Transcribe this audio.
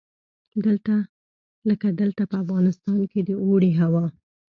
لکه دلته په افغانستان کې د اوړي هوا.